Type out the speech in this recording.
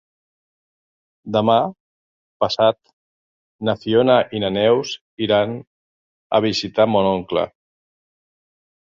Demà passat na Fiona i na Neus iran a visitar mon oncle.